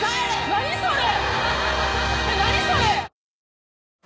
何それ？